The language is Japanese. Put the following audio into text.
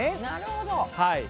なるほど。